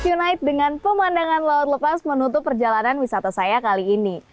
united dengan pemandangan laut lepas menutup perjalanan wisata saya kali ini